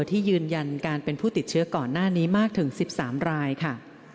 ที่ยืนยันการเป็นผู้ติดเชื้อก่อนหน้านี้มากถึง๑๓รายค่ะ